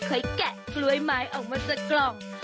แกะกล้วยไม้ออกมาจากกล่อง